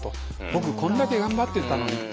僕こんだけ頑張ってたのにって。